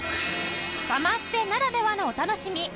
サマステならではのお楽しみ